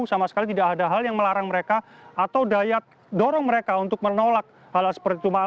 sama sekali tidak ada hal yang melarang mereka atau dayak dorong mereka untuk menolak hal seperti itu